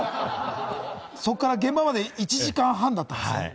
そこから現場まで１時間半だったんですね。